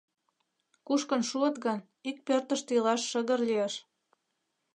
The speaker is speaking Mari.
Кушкын шуыт гын, ик пӧртыштӧ илаш шыгыр лиеш.